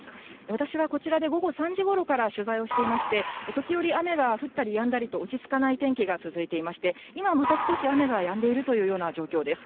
私はこちらで午後３時ごろから取材をしていまして、時折、雨が降ったりやんだりと、落ち着かない天気が続いていまして、今また少し雨がやんでいるというような状況です。